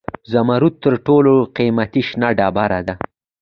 زمرد تر ټولو قیمتي شنه ډبره ده.